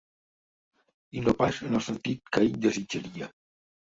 I no pas en el sentit que ell desitjaria.